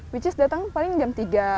which is datang paling jam tiga